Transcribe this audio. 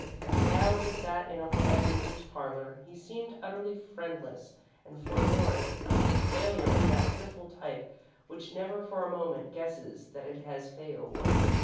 Now, as he sat in Uncle Ebeneezer's parlour, he seemed utterly friendless and forlorn a complete failure of that pitiful type which never for a moment guesses that it has failed.